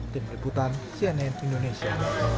tim liputan cnn indonesia